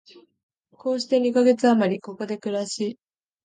こうして二カ月あまり、ここで暮らし、